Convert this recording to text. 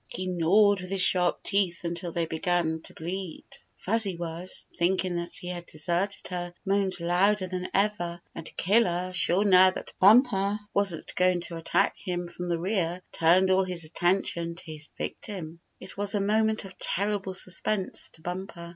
He gnawed with his sharp teeth until they began to bleed. Fuzzy Wuzz, thinking that he had deserted her, moaned louder than ever, and Killer, sure now that Bumper wasn't going to attack him from the rear, turned all his attention to his vic tim. It was a moment of terrible suspense to Bumper.